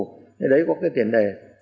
thế đấy có cái tiền đề